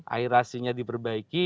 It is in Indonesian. air aslinya diperbaiki